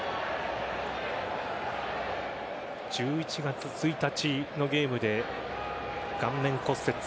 １１月１日のゲームで顔面骨折。